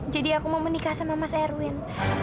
aku mau menikah sama mas erwin